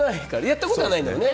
やったことはないんだよね